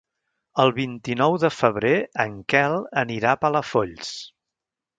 El vint-i-nou de febrer en Quel anirà a Palafolls.